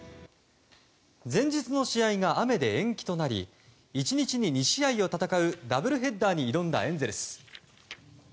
前日の試合が雨で延期となり１日に２試合を戦うダブルヘッダーに挑んだエンゼルス。